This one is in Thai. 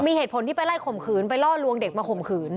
มีเหตุผลที่ไปไล่ข่มขืนไปล่อลวงเด็กมาข่มขืน